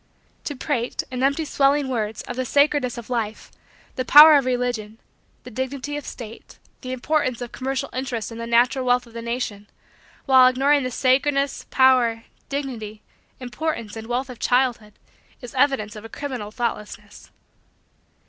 To prate, in empty swelling words, of the sacredness of life, the power of religion, the dignity of state, the importance of commercial interests and the natural wealth of the nation, while ignoring the sacredness, power, dignity, importance, and wealth of childhood, is evidence of a criminal thoughtlessness.